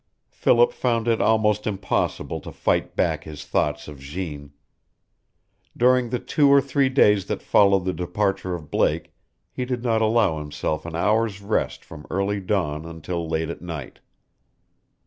Philip found it almost impossible to fight back his thoughts of Jeanne. During the two or three days that followed the departure of Blake he did not allow himself an hour's rest from early dawn until late at night.